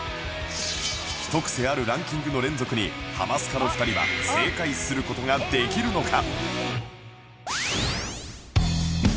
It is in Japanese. ひとクセあるランキングの連続にハマスカの２人は正解する事ができるのか？